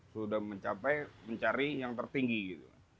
sudah mencapai mencari yang tertinggi gitu